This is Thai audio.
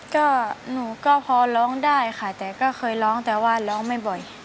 ก็หนูก็พอร้องได้ค่ะแต่ก็เคยร้องแต่ว่าร้องไม่บ่อย